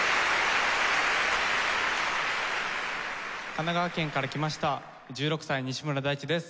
神奈川県から来ました１６歳西村大地です。